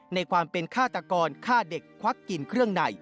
ในความเป็นฆาตกรฆ่าเด็กควักกินเครื่องใน